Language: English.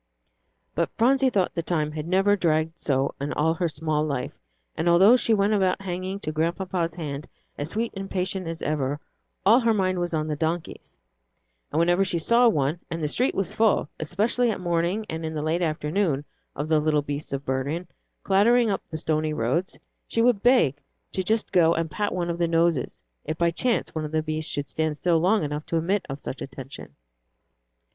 But Phronsie thought the time had never dragged so in all her small life; and, although she went about hanging to Grandpapa's hand as sweet and patient as ever, all her mind was on the donkeys; and whenever she saw one, and the street was full, especially at morning and in the late afternoon, of the little beasts of burden, clattering up the stony roads, she would beg to just go and pat one of the noses, if by chance one of the beasts should stand still long enough to admit of such attention.